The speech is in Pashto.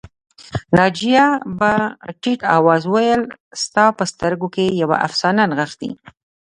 ناجیه په ټيټ آواز وویل ستا په سترګو کې یوه افسانه نغښتې